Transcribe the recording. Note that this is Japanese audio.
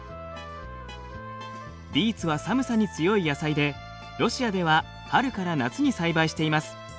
ビーツは寒さに強い野菜でロシアでは春から夏に栽培しています。